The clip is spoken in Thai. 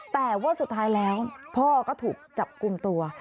แต่ว่าสุดท้ายแล้วพ่อก็ถูกจับกลุ่มตัว